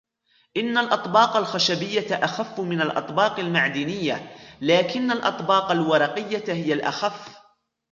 إن الأطباق الخشبية أخف من الأطباق المعدنية، لكن الأطباق الورقية هي الأخف